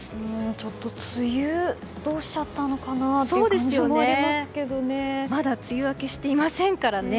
ちょっと梅雨どうしちゃったのかなというまだ梅雨明けしていませんからね。